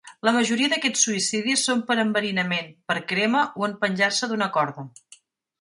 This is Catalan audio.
La majoria d'aquests suïcidis són per enverinament, per crema o en penjar-se d'una corda.